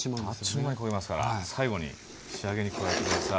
あっちゅう間に焦げますから最後に仕上げに加えて下さい。